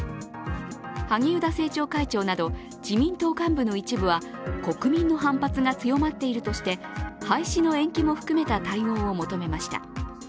萩生田政調会長など、自民党幹部の一部は国民の反発が強まっているとして廃止の延期も含めた対応を求めました。